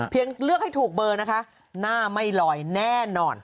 เลือกให้ถูกเบอร์นะคะหน้าไม่ลอยแน่นอน